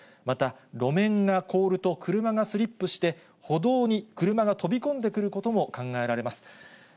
また路面が凍ると、車がスリップして、歩道に車が飛び込んでくることも考えられます。